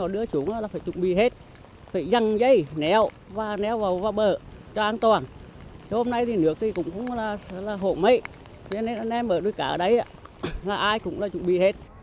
đầu nguồn về